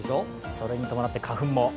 それに伴って花粉も。